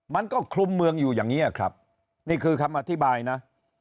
มันก็คลุมเมืองอยู่อย่างนี้ครับนี่คือคำอธิบายนะ